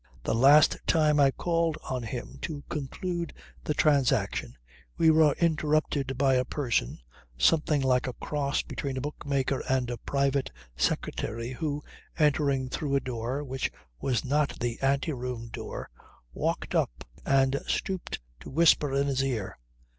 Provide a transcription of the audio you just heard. The last time I called on him to conclude the transaction we were interrupted by a person, something like a cross between a bookmaker and a private secretary, who, entering through a door which was not the anteroom door, walked up and stooped to whisper into his ear.